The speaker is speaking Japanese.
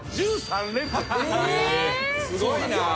すごいなぁ。